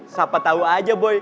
siapa tau aja boy